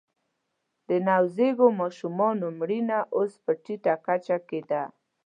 د نوزیږو ماشومانو مړینه اوس په ټیټه کچه کې ده